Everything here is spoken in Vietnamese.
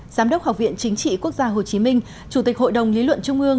giám đốc học viện chính trị quốc gia hồ chí minh chủ tịch hội đồng lý luận trung ương